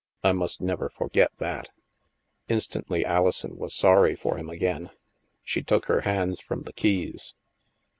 I must never forget that." Instantly Alison was sorry for him again. She took her hands from the keys.